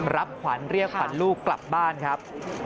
รับขวัญเรียกขวัญลูกกลับบ้านครับ